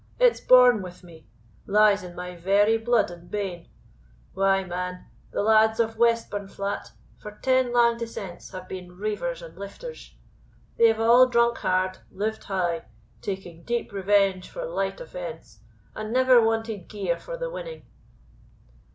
It's born with me lies in my very blude and bane. Why, man, the lads of Westburnflat, for ten lang descents, have been reivers and lifters. They have all drunk hard, lived high, taking deep revenge for light offence, and never wanted gear for the winning."